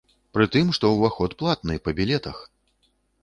Прытым што ўваход платны, па білетах!